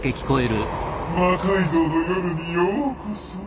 「魔改造の夜」にようこそ。